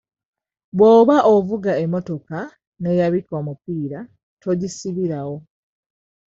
Bw'oba ovuga emmotoka n'eyabika omupiira togisibirawo.